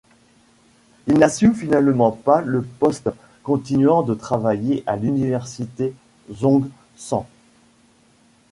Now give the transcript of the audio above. Il n'assume finalement pas le poste, continuant de travailler à l'université Zhongshan.